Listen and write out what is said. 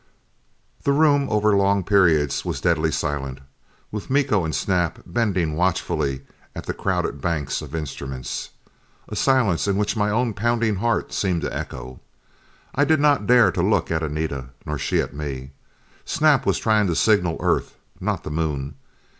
The room over long periods was deadly silent, with Miko and Snap bending watchfully at the crowded banks of instruments. A silence in which my own pounding heart seemed to echo. I did not dare look at Anita, nor she at me. Snap was trying to signal Earth, not the Moon!